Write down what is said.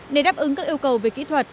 để đáp ứng các yêu cầu về kỹ thuật